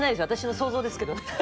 私の想像ですけど。